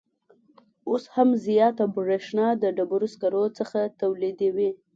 اوس هم زیاته بریښنا د ډبروسکرو څخه تولیدوي